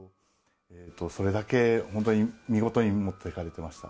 それだけ本当に見事に持っていかれてました。